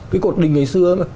cái cột đình ngày xưa